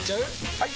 ・はい！